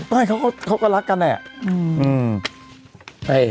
ไม่เขาก็รักกันเนี่ย